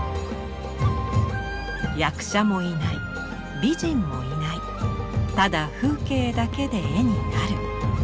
役者もいない美人もいないただ風景だけで絵になる。